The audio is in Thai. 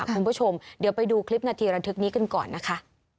คุณผู้ชมเดี๋ยวไปดูคลิปนาทีระทึกนี้กันก่อนนะคะ